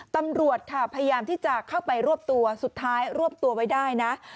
ตำรวจค่ะพยายามที่จะเข้าไปรวบตัวสุดท้ายรวบตัวไว้ได้นะ